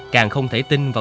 càng không thể tin về bà gia